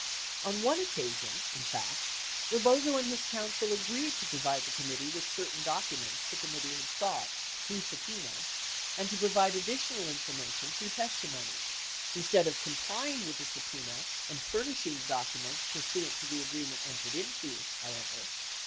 On one occasion in fact. Rebozo and his counsel agreed to provide the committee with certain docu ments the committee had sought through subpena and to provide additional information through testimony. Instead of complying with the subpena and furnishing the documents pursuant to the agreement entered into, however.